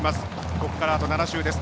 ここから、あと７周です。